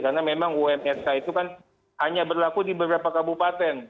karena memang umhk itu kan hanya berlaku di beberapa kabupaten